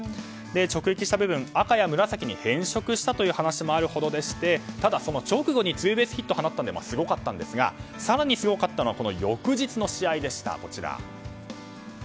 直撃した部分赤や紫に変色したという話もあるほどでしてただ、その直後にツーベースヒットを放ったのですごかったんですが更にすごかったのは翌日の試合でした。